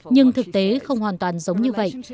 nhưng thực tế không hoàn toàn giống như vậy